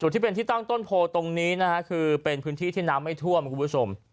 ที่เป็นที่ตั้งต้นโพตรงนี้นะฮะคือเป็นพื้นที่ที่น้ำไม่ท่วมคุณผู้ชม